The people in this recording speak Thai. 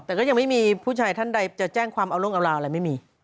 แต่ก็ยังไม่มีผู้ชายท่านใดจะแจ้งความเอาลงเอาราวอะไรไม่มี